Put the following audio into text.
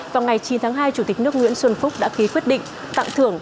vào ngày chín tháng hai chủ tịch nước nguyễn xuân phúc đã ký quyết định tặng thưởng